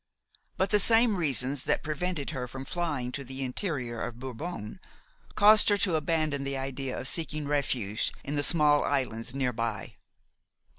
But the same reasons that prevented her from flying to the interior of Bourbon caused her to abandon the idea of seeking refuge in the small islands near by.